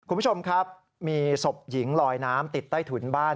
คุณผู้ชมครับมีศพหญิงลอยน้ำติดใต้ถุนบ้าน